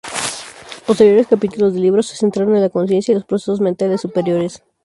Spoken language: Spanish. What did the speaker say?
Posteriores capítulos del libro se centraron en la conciencia y los procesos mentales superiores.